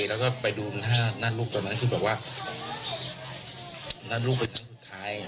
แล้วก็ไปดูหน้านั่นลูกตอนนั้นที่แบบว่าหน้านั่นลูกเป็นครั้งสุดท้าย